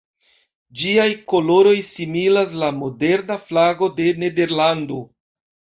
Ĝiaj koloroj similas la moderna flago de Nederlando.